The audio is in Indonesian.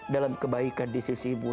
dalam kebaikan di sisi mu